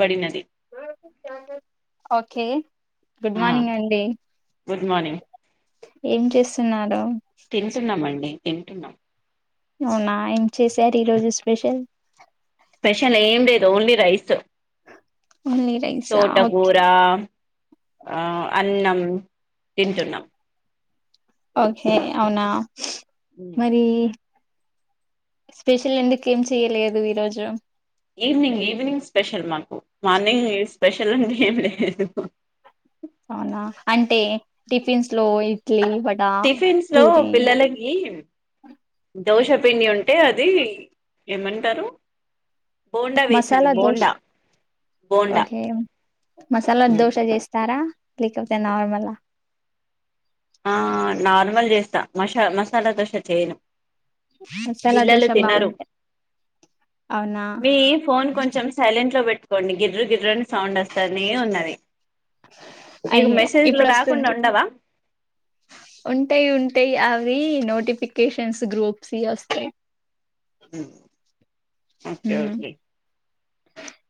పడింది అండి [unintelligible] okay good morning అండి గుడ్ మార్నింగ్ ఏం చేస్తున్నారు తింటున్నామండి తింటున్న ఆవునా ఏం చేశారు ఈ రోజు స్పెషల్ స్పెషల్ ఏం లేదు ఓన్లీ రైస్ ఓన్లీ రైసా ఓకే తోటకూరా ఆ అన్నం తింటున్నా ఓకే అవునా మరీ స్పెషల్ ఎందుకు ఏం చేయలేదు ఈరోజు ఈవినింగ్ ఈవినింగ్ స్పెషల్ మాకు మార్నింగ్ ఏ స్పెషల్ అంటు ఏమి లేదు. అవునా అంటే టిఫిన్స్ లో ఇ టిఫిన్స్ లో పిల్లలకి దోశపిండి ఉంటే అది ఏమంటరు మసాలా దోశ్ బోండా ఓకే మసాలా దోశ చేస్తారా లేకపోతే నార్మలా ఆ నార్మల్ చేస్తా మష మసాలా దోశ చేయను. మసాలా పిల్లలు దోశ తినరు బాగుంటాయి అవునా మీ ఫోన్ కొంచెం సైలెంట్ లో పెట్ వండు గిర్రు గిర్రా సౌండ్ వస్తానే ఉన్నది. మీకు అయ్యో మెసేజ్లు ఇప్పుడు రాకుండా వస్తుంది ఉండవా ఉంటాయి ఉంటాయి అవి నోటిఫికేషన్స్ గ్రూప్స్ వస్తయి అ ఓకే మ్మ్. ఓకే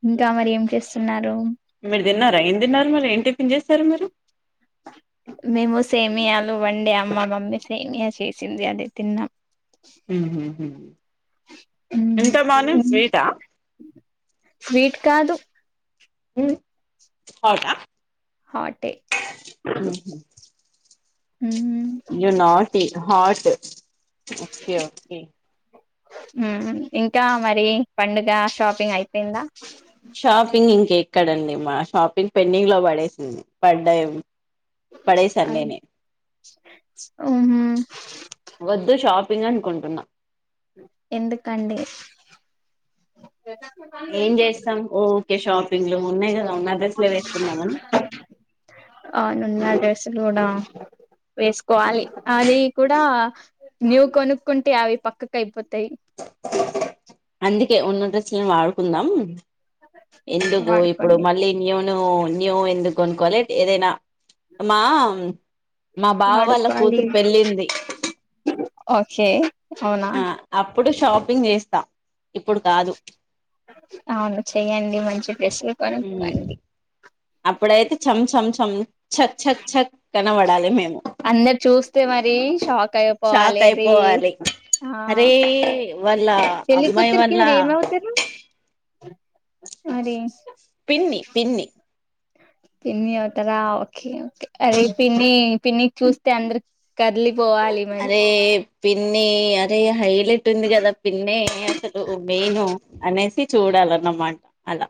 ఇంకా మరి ఏం చేస్తున్నారు. మీరు తిన్నార ఏం తిన్నార్ మరి ఏంటి మేము సేమియల్ వండే అమ్మ మమ్మీ సేమియా చేసింది అదే తిన్నా హ్మ్ హు హ్మ్ హ్మ్ స్వీట్ కాదు ఏయ్ ఔటా హటే యు నాటి హాట్ స ఓకే ఓకే హ్మ్ హు ఇంకా మరి పండుగ షాపింగ్ అయిపోయిందా షాపింగ్ ఇంకెక్కడండి మా షాపింగ్ పెండింగ్ లో పడేసింది పడ్డా పడేసాను హ్మ్ నేనే హు [unintelligible] కొంటున్న ఎందుకండి ఏం చేస్తాం ఊకే షాపింగ్లు ఉన్నాయి కదా ఉన్న డ్రెస్ లే వేసుకుందామని అసలోన వేసుకోవాలి అది కూడా న్యూ కొనుక్కుంటే అవి పక్కకు అయిపోతాయి. అందుకే ఉన్న డ్రెస్లను వాడుకుందాం ఎందుకు ఇప్పుడు వాడుకోండి మళ్ళీ న్యూ నో న్యో ఎందుకు కోనుకోలే ఏదైనా మా మా బావ వాళ్ళ వాడుకోవాలి కూతురు పెళ్ళింది ఓకే అవునా ఆ అప్పుడు షాప్ షాపింగ్ చేస్తా ఇప్పుడు కాదు అవును చెయ్యండి మంచి ఎసే కరణ్ ఉమ్ కంది అప్పుడైతే చం చం చం చక్ చక్ చక్ కనబడాలి మేము అందరు చూస్తే మరి షాక్ అయిపోవాలి షాక్ అరే అయిపోవాలి ఆ అరే వల్ల చెల్లి అమ్మాయి కూతురికి వల్ల మీరు ఏమవుతారు మరి పిన్ని పిన్ని పిన్ని అవుతారా ఓకే ఓకే అదే పిన్ని పిన్ని చూస్తే అందరు కదిలి అదే పిన్ని అదే హైర్ లేట్ ఉంది కదా పిన్ని అసలు మెయిన్ అనేసి చూడాలన్నమాట అలా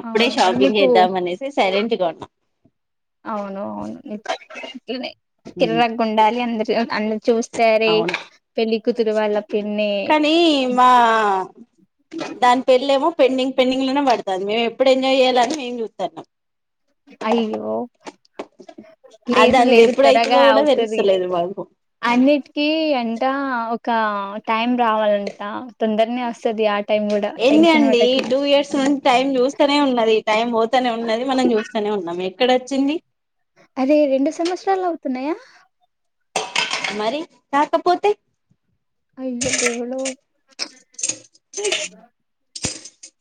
అప్పుడే అవును అది షాపింగ్ మీకు చేద్దాం అనేసి సైలెంట్గా ఉన్నా అ అట్లనే కిరాగ్ ఉండాలి అందరు అందరు చూస్తారే అవును పెళ్లి కూతురు వాళ్ళం కానీ మా దాని పెళ్లిమో పెండింగ్ పెండింగ్ లోనే పడుతంది మేము ఎప్పుడు ఎంజాయ్ చేయాలని మేము చూస్తాన్నాం అయ్యో అది లేదు అంది లేదు ఎప్పుడైతుందో త్వరగా కూడా అవుతది తెలుస్తలేదు మాకు అన్నిటికీ అంటా ఒక టైం రావాలంట తొందరనే వస్తది ఆ టైం కూడా ఏంది టెన్షన్ అండి పడకండి టూ ఇయర్స్ నుండి టైం చూస్తానే ఉన్నది టైం పోతనే ఉన్నది మనం చూస్తనే ఉన్నాం ఎక్కడ వచ్చింది అదే రెండు సంవత్సరాలు అవుతున్నాయా మరి కాకపోతే అయ్యో దేవుడో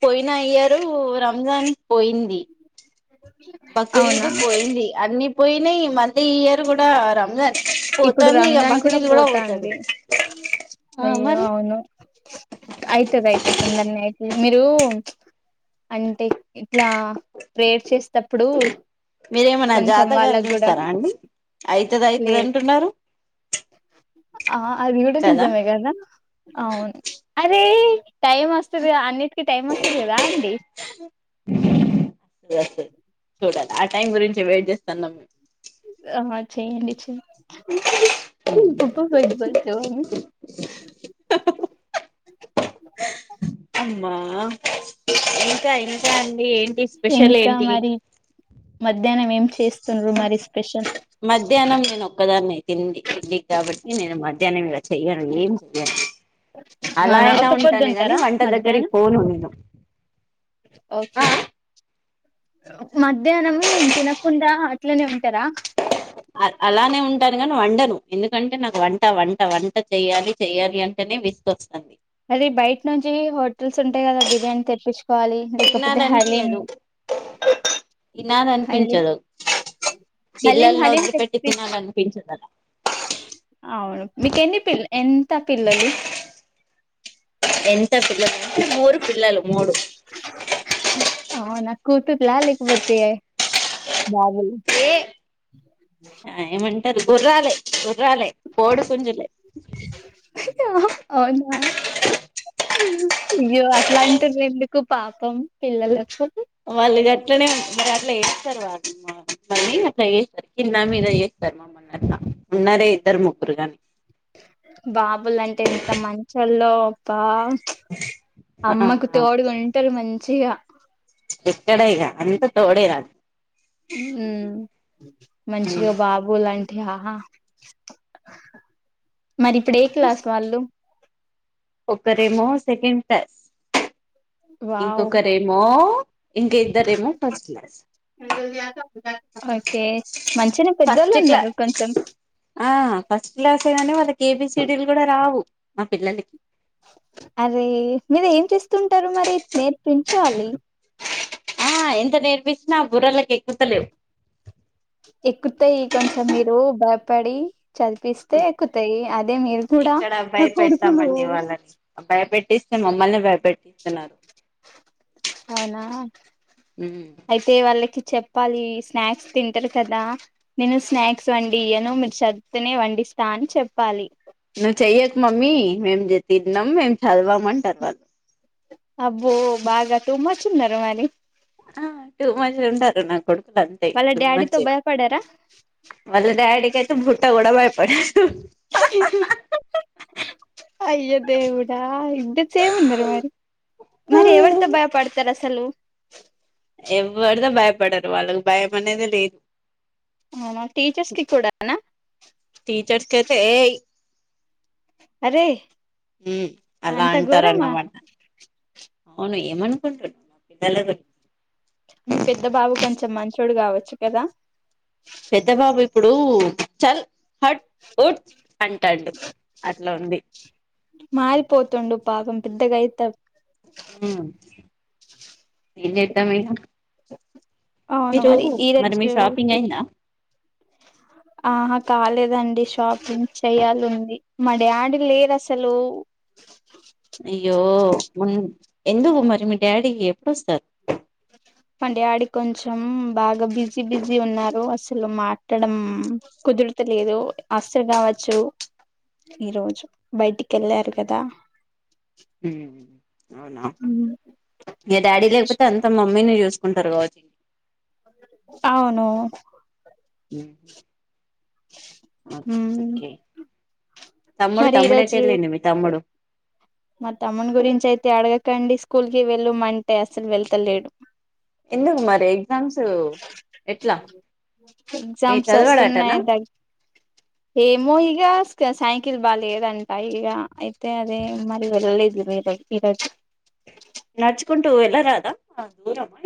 పోయిన ఇయరు రంజాన్ పోయింది బక్రీద్ అవునా పోయింది అన్ని పోయినయి మళ్ళీ ఇయర్ కూడా రంజాన్ ఇప్పుడు పోతుంది ఇక రంజాన్ కూడా బక్రీద్ పోతది పోతాంది ఆ అయ్యో మరి అవును అయితే వెయిట్ ఇప్పుడు నన్ని అయితే మీరు అంటే ఇట్లా ప్రేర్ చెస్ తప్పుడూ మీ రేమన్న జాతకాల్ జుస్తారా అండి ఐతద్ ఐతద్ లేదు అన్ ఆ అది గుడ నిజమే కదా అవున్ అరీ టైం ఒస్తదిగా అన్నిటికి టైం ఒస్తది గదా అండి వస్తది చూడాలి ఆ టైం గురించి వెయిట్ జెస్తన్నం మీమ్ ఆ చేయండి చె [unintelligible] అమ్మా ఇంకా ఇంకా అండి ఏంటి స్పెషల్ ఇంకా ఏంటి మరి మధ్యానం ఏం చేస్తుండ్రు మరిస్ మధ్యాహ్నం నేను ఒక్కదానే తింది ఇడ్లీ కాబట్టి నేను మధ్యాహ్నం ఇలా చెయ్యను ఏం చెయ్యను అలా అవునా అయినా ఒక ఉంటనె గాని పొద్దుంటారా వంట దగ్గరికి మధ్యాహ్నం పోను నీను ఆ ఓకే మధ్యాహ్నం తినకుండా అట్లనే ఉంటరా అల్ అలానే ఉంటను గన్ వండను ఎందుకంటే నాకు వంట వంట వంట చెయ్యాలి చెయ్యాలి అంటేనే విస్గొస్తది అది బైట్ నుంచి హోటల్స్ ఉంటయి గదా బిర్యానీ తెప్పిచ్ తినానన్పియదు తినాన్ హలీం అన్పించదు హలీం పిల్లల్న్ హలీం ఒదిలిపెట్టి తెప్పించు తినాలన్పించద్ అలా [inaudible] అవును మీకెన్ని పిల్ ఎంత పిల్లలు ఎంత పిల్లలు అంటే మూరు పిల్లలు మూడు హు అవునా కూతుర్లా లేకపోతే బాబులు ఆ ఏమన్ టల్ గుర్రాలే గుర్రాలే పోడుకుంజులే యాహా అవునా అయ్యో అట్లంటుర్ ఎందుకు పాపం పిల్లల్లకు వాళ్ళు గట్లనే మరి అట్ల ఏస్తరు వాళ్ళు మరీ మళ్ళి అట్ల ఏస్తర్ కింద మీద ఏస్తర్ మమ్మల్న్ అట్ల బాబుల్ అంటే ఎంత మంచోల్లో పామ్ అమ్మకు ఆ తోడుగుంటరు మన్ చిగా ఎక్కడ ఇగ అంత తోడేరాదు మ్ మంచిగా బాబు లంటి ఆహా మరి ఇప్పుడు ఏ క్లాస్ వాళ్ళు ఒకరేమో సెకండ్ క్లాస్ వావ్ ఇంకొకరేమో ఇంకా ఇద్దరేమో ఫస్ట్ క్లాస్ ఓకే మంచిగానే పెద్దోళ్ళు ఫస్ట్ ఉన్నారు క్లాస్ కొంచెం ఆ ఫస్ట్ క్లాసేగానీ వాళ్ళకి ఎబిసిడి లు గూడా రావు మా పిల్లలకి అరే మీరు ఏం చేస్ స్తుంటరు మరి నేర్పిం చాలి ఆ ఎంత నేర్పించినా ఆ బుర్రలకి ఎక్కుతలేవు ఎక్కుతాయి కొంచెం మీరు భయపడి చదిపిస్తే ఎక్కుతాయి అదే మీరు గూడా ఎక్కడ నా కొడుకులు ముమల్నే పెట్టిస్తున్నారు అవునా అయితే వాళ్ళకి చెప్పాలి స్నాక్స్ తింటారు కదా నేను స్నాక్స్ వండియ్యను మీరు చదివితేనే వండిస్తా అని చెప్పాలి నువ్వు చెయ్యకు మమ్మీ మేము తిన్నాం మేము చదవము అంటారు వాళ్ళు అబ్బో బాగా తుమ చిన్నారు మరి ఆ మజ ఉంటారు నా కొడుకులు అంతే వాళ్ళ టూ డాడీతో మచ్ ఏ భయపడారా వాళ్ళ డాడీకైతే బుట్ట కూడా భయపడరు అయ్యో దేవుడా ఇద్దరూ సేము ఉన్నారు మరి మరి ఎవరితో భయపడతారూ అస్సలు ఎవరిదో భయపడరు వాళ్ళకి భయం అనేది లేదు ఔనా టీచర్స్ కి కూడానా హేయ్ అరే ఉమ్ అలా అంత ఘోరమా అంటారన్నమాట అవును ఏమనుకుంట్రు పిల్ల [unintelligible] మీ పెద్ద బాబు కొంచెం మంచి మంచోడు కావచ్చు కదా పెద్ద బాబు ఇప్పుడు చల్ హట్ట్ ఉట్ అంటాండు అ అట్లా ఉంది మారిపోతుండు బాగుండు పెద్దగా అయిత హమ్ ఏం చేదాం ఇంకా అవును మీరు ఈ మరి మీ రోజు షాపింగ్ అయిందా ఆహా కాలేదండి షాపింగ్ చెయ్యాలండి మా డాడీ లేరు అసలు అయ్యో ఎందుకు మరి మీ డాడీ ఎప్పుడోస్తారు మా డాడీ కొంచెం బాగా బిజీ బిజీ ఉన్నారు అసలు మాట్లాడడం కుదరతలేదు అసలు కావచ్చు ఈరోజు బయటికి వెళ్ళారు కదా హమ్ అవునా మీ డాడీ లేకపోతే అంత మ మమ్మి నీ చూసుకుంటారు కాబట్టి అవును హమ్ ఓకే ఓకే తమ్ముడు మరి తమ్ముడు ఎటూ ఈరోజు వెళ్ళిండు తమ్ముడు మా తమ్ముని గురించి అయితే అడగకండి స్కూల్ కి వెళ్ళమ అంటే అసలు వెళ్తలేడు ఎందుకు మరి ఎగ్జామ్స్ ఎట్లా ఏ ఎగ్జామ్స్ చదవడాటనా వస్తున్నాయి దగ్గరికి ఏమో సైకిల్ బాగా లేదంటా ఇక అయితే అదే మరి వెళ్ళలేదు మీరు ఈరోజు దా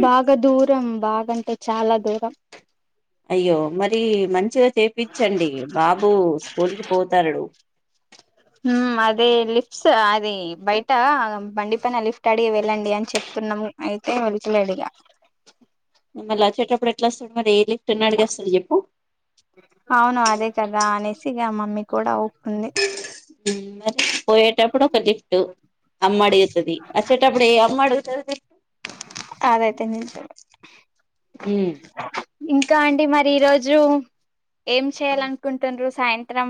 బాగదూర్ దరం బాగాంటే చాలా దూరం అయ్యో మరి మంచిగా చేయిించండి బాబు స్కూల్ కి పోతాడు అదే లిఫ్ట్స్ అది బయట బండి పైన లిఫ్ట్ అడిగి వెళ్ళండి అని చెప్తున్నాం అయితే వెళతులేడుగా మళ చెటపప్పుడు ఎట్లా స అవును అదే కద అనే మంచిగా మమ్మీ కూడా అతుంది హ్మ్మ్ మరి పోయేటప్పుడు ఒక గిఫ్ట్ అమ్మ అడుగుతుంది వచ్చేటప్పుడు ఏ అమ్మ అడుగుతుంది అదయితే నింత ఉమ్. ఇంకా అండి మరి ఈ రోజు ఏం చేయాల అనుకుంటున్నారు సాయంత్రం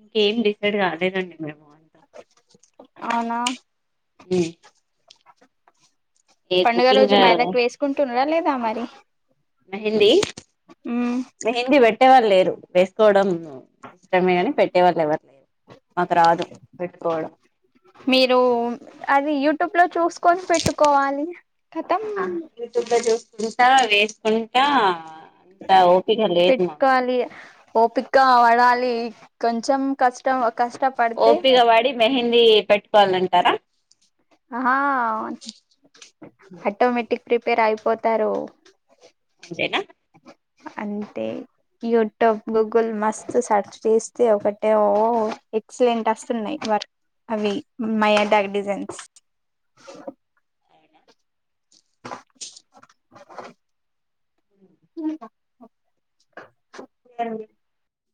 ఇంకేం డిసైడ్ కాలేనండి మేము అంతా అవునా లి పండుగ రోజు మైదాక్ వేసుకుంటున్నార లేద తమరి మెహందీ మెహందీ వెట్ పెట్టే వాళ్ళు లేరు వేసుకోవడం ఇష్టమే కాని పెట్టేవాళ్ళు ఎవరు లేరు మాకు రాదు పెట్టుకోవడం మీరు అది యూట్యూబ్ లో చూసుకొని పెట్టుకోవాలి కతం ఆ యూట్యూబ్ లో చూస్ చూసావా వేసుకుంటా అంత ఓపిక లేదు మాకు పెట్కాలి ఓపికావా కాలి కొంచెం కష్టం కష్టపడితే ఓపిగా వడి మెహందీ పెట్ వాలంటరా ఆ అవు ఆటోమేటిక్ ప్రిపేర్ అయిపోతారు ఎన అంటే యూట్యూబ్ గూగుల్ మస్త్ సర్చ్ చేస్తే ఒకటే ఓ ఎక్సలెంట్ వస్తున్నాయి వర్క్ అవి మయాడాగ్ డిజైన్స్ ఉ ఓకే ఏంది